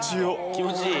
気持ちいい？